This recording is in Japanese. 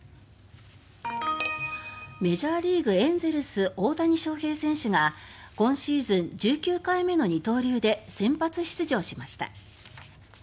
メジャーリーグエンゼルス、大谷翔平選手が今シーズン１９回目の二刀流で先発出場しました。